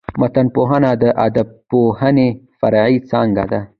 متنپوهنه د ادبپوهني فرعي څانګه ده.